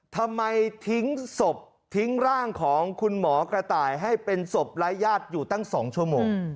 ทำไมทิ้งศพทิ้งร่างของคุณหมอกระต่ายให้เป็นศพไร้ญาติอยู่ตั้ง๒ชั่วโมง